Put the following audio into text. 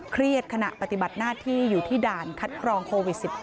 ขณะปฏิบัติหน้าที่อยู่ที่ด่านคัดกรองโควิด๑๙